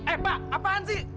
eh pak apaan sih